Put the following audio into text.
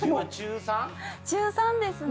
中３ですね。